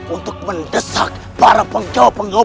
untuk mendesak para penggawa penggawa